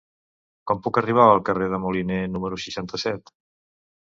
Com puc arribar al carrer de Moliné número seixanta-set?